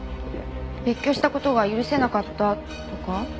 別居した事が許せなかったとか？